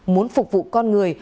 muốn phục vụ con người